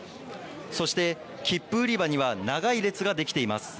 そして切符売り場には長い列ができています。